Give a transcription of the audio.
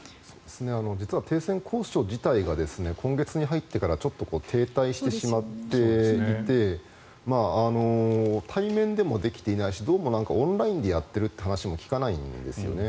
実は停戦交渉自体が今月に入ってからちょっと停滞してしまっていて対面でもできてないしオンラインでやっているという話も聞かないんですよね。